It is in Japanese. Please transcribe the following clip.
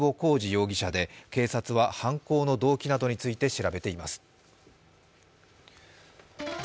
容疑者で警察は犯行の動機などについて調べています。